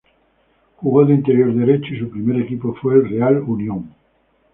Jugó de interior derecho y su primer equipo fue el Real Unión.